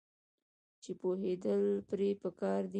چې پوهیدل پرې پکار دي.